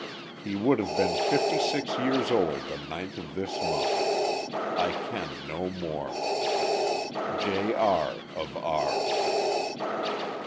He would have been fifty six years old the ninth of this month. I can no more. "J. R. OF R."